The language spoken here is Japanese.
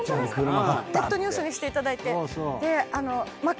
ネットニュースにしていただいて。